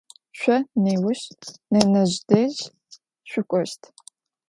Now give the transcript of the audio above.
Şso nêuş nenezj dej şsuk'oşt.